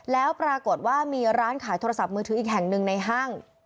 แล้วปรากฏว่ามีร้านขายโทรศัพท์มือถืออีกแห่งหนึ่งในห้าง